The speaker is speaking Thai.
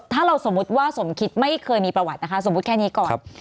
ถ้าเราสมมุติว่าสมคิดไม่เคยมีประวัตินะคะสมมุติแค่นี้ก่อน